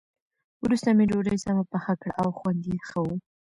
وروسته مې ډوډۍ سمه پخه کړه او خوند یې ښه و.